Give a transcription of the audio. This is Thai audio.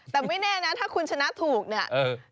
แต่ไม่แน่นะถ้าคุณชนะถูกเนี่ย